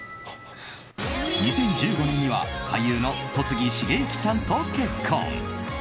２０１５年には俳優の戸次重幸さんと結婚。